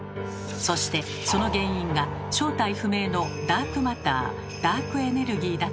そしてその原因が正体不明の「ダークマター」「ダークエネルギー」だというのです。